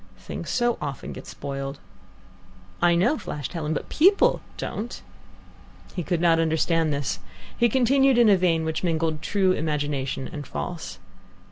"Things so often get spoiled." "I know," flashed Helen, "but people don't." He could not understand this. He continued in a vein which mingled true imagination and false.